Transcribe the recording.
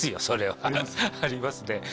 それはありますね